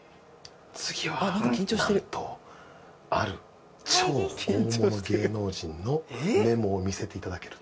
次はなんとある超大物芸能人のメモを見せていただけると。